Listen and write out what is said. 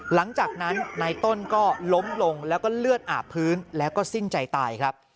หลังจากนั้นนายต้นก็ล้มลงแล้วก็เลือดอาบพื้นแล้วก็สิ้นใจตายครับ